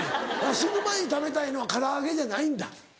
死ぬ前に食べたいのは唐揚げじゃないんだ。